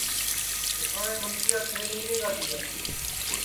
اُساٹؔیں منگتِیا چھ مہینے کا تِیا